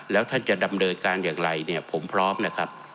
แล้วท่านจะดำเนินการอย่างไรเนี่ยผมพร้อมนะครับ